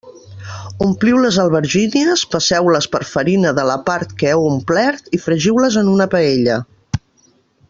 Ompliu les albergínies, passeu-les per farina de la part que heu omplert i fregiu-les en una paella.